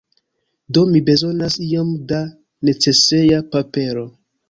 Do mi bezonas iom da neceseja papero.